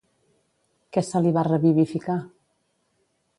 Què se li va revivificar?